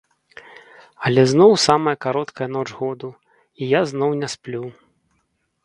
Але зноў самая кароткая ноч году, і я зноў не сплю.